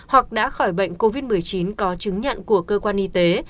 hoặc đã khỏi bệnh covid một mươi chín có chứng nhận của cơ quan y tế